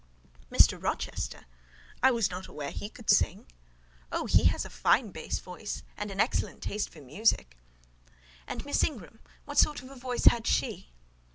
"Mr. Rochester? I was not aware he could sing." "Oh! he has a fine bass voice, and an excellent taste for music." "And Miss Ingram: what sort of a voice had she?"